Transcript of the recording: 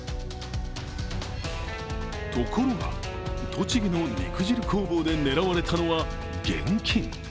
ところが栃木の肉汁工房で狙われたのは現金。